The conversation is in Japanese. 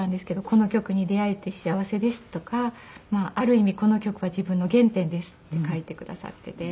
「この曲に出会えて幸せです」とか「ある意味この曲は自分の原点です」って書いてくださっていて。